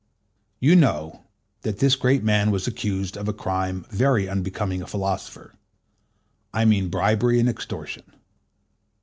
You know that this great man was accused of a crime very unbecoming a philosopher: I mean bribery and extortion.